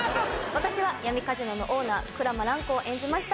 私は、闇カジノのオーナー、鞍馬蘭子を演じました。